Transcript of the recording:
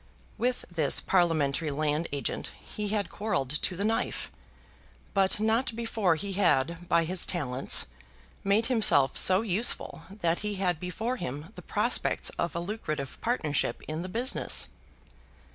With this parliamentary land agent he had quarrelled to the knife, but not before he had by his talents made himself so useful that he had before him the prospects of a lucrative partnership in the business.